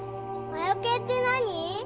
魔除けって何？